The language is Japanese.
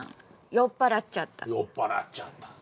「酔っぱらっちゃった」。